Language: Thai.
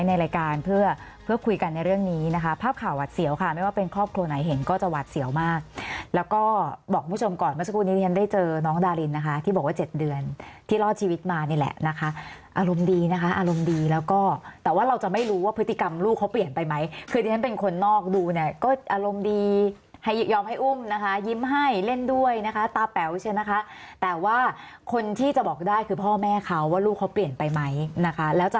ใช้ในรายการเพื่อเพื่อคุยกันในเรื่องนี้นะคะภาพขาวาดเสียวค่ะไม่ว่าเป็นครอบครัวไหนเห็นก็จะวาดเสียวมากแล้วก็บอกผู้ชมก่อนเมื่อสักครู่นี้ยังได้เจอน้องดารินนะคะที่บอกว่า๗เดือนที่รอดชีวิตมานี่แหละนะคะอารมณ์ดีนะคะอารมณ์ดีแล้วก็แต่ว่าเราจะไม่รู้ว่าพฤติกรรมลูกเขาเปลี่ยนไปไหมคือเดี๋ยวเป็นคนนอกดูเนี่ยก็